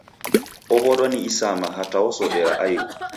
Ow'adwa ni isama hata wasodera aighu.